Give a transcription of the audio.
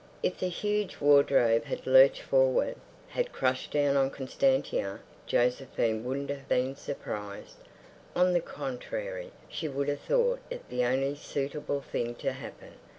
If the huge wardrobe had lurched forward, had crashed down on Constantia, Josephine wouldn't have been surprised. On the contrary, she would have thought it the only suitable thing to happen.